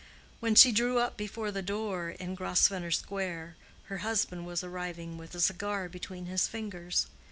When she drew up before the door in Grosvenor Square, her husband was arriving with a cigar between his fingers.